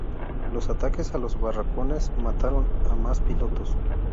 Los ataques a los barracones mataron a más pilotos.